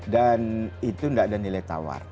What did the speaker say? dan itu enggak ada nilai tawar